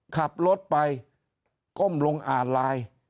ขับรถไปก้มลงอ่านไลน์